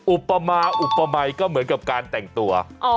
อุปมาอุปมัยก็เหมือนกับการแต่งตัว